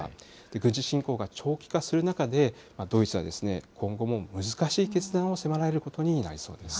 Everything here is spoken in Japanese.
軍事侵攻が長期化する中で、ドイツは今後も難しい決断を迫られることになりそうです。